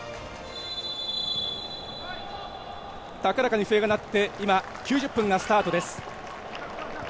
高らかに笛が鳴って今、９０分がスタートです。